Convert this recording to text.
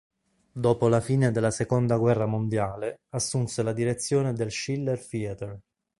Dopo la fine della seconda guerra mondiale assunse la direzione del Schiller Theatre.